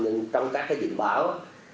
nhưng trong các dự báo